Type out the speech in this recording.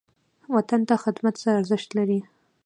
وطن ته خدمت څه ارزښت لري؟